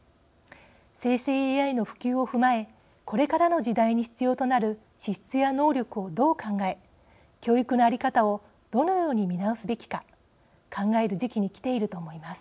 生成ＡＩの普及を踏まえこれからの時代に必要となる資質や能力をどう考え教育の在り方をどのように見直すべきか考える時期にきていると思います。